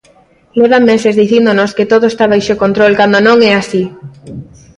Levan meses dicíndonos que todo está baixo control cando non é así.